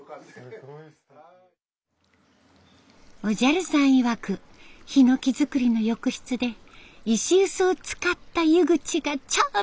おじゃる☆さんいわく「ひのき造りの浴室で石臼を使った湯口がチャーミング」。